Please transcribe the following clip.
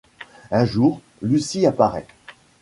Un jour, Lucy apparaît.